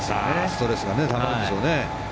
ストレスがたまるんでしょうね。